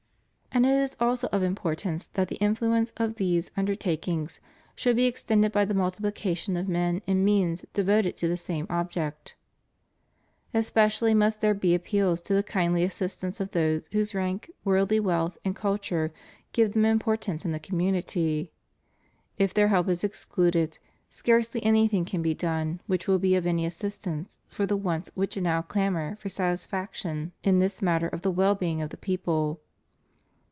And it is also of importance that the influence of these under takings should be extended by the multipHcation of men and means devoted to the same object. Especially must there be appeals to the kindly assist ance of those whose rank, worldly wealth, and culture give them importance in the community. If their help is excluded, scarcely anything can be done which will be of any assistance for the wants which now clamor for satisfaction in this matter of the well being of the people.